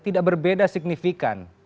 tidak berbeda signifikan